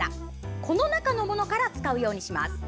この中のものから使うようにします。